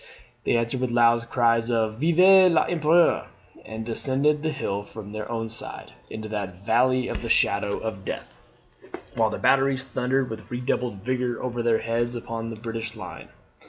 They answered with loud cries of "Vive l'Empereur!" and descended the hill from their own side, into that "valley of the shadow of death" while the batteries thundered with redoubled vigour over their heads upon the British line.